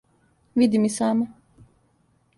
Видим и сама.